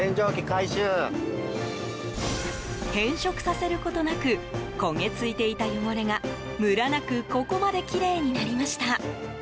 変色させることなく焦げついていた汚れがムラなくここまできれいになりました。